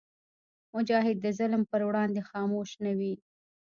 مجاهد د ظلم پر وړاندې خاموش نه وي.